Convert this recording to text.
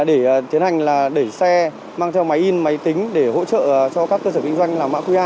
để tiến hành là đẩy xe mang theo máy in máy tính để hỗ trợ cho các cơ sở kinh doanh làm mã qr